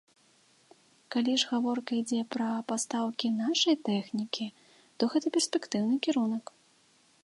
Калі ж гаворка ідзе пра пастаўкі нашай тэхнікі, то гэта перспектыўны кірунак.